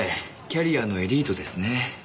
キャリアのエリートですね。